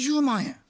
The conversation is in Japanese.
２０万円。